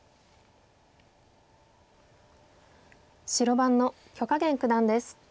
白番の許家元九段です。